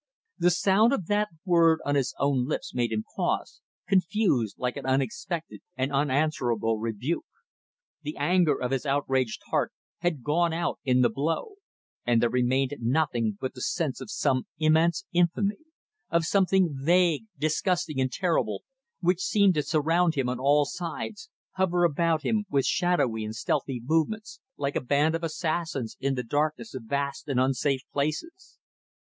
The sound of that word on his own lips made him pause, confused, like an unexpected and unanswerable rebuke. The anger of his outraged pride, the anger of his outraged heart, had gone out in the blow; and there remained nothing but the sense of some immense infamy of something vague, disgusting and terrible, which seemed to surround him on all sides, hover about him with shadowy and stealthy movements, like a band of assassins in the darkness of vast and unsafe places.